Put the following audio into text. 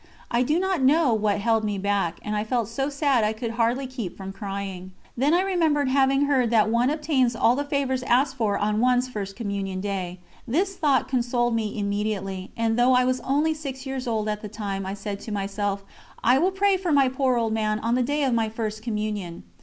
I do not know what held me back, and I felt so sad I could hardly keep from crying; then I remembered having heard that one obtains all the favours asked for on one's First Communion Day. This thought consoled me immediately, and though I was only six years old at the time, I said to myself: "I will pray for my poor old man on the day of my First Communion."